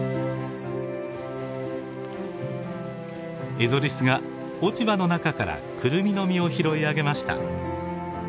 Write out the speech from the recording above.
エゾリスが落ち葉の中からクルミの実を拾い上げました。